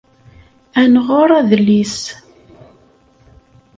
Ad nɣer adlis.